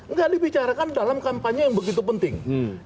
nggak dibicarakan dalam kampanye yang begitu penting